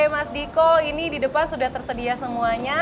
mas diko ini di depan sudah tersedia semuanya